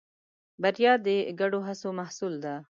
بریا د ګډو هڅو محصول ده.